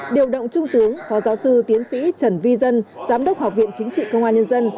điều động trung tướng phó giáo sư tiến sĩ trần vi dân giám đốc học viện chính trị công an nhân dân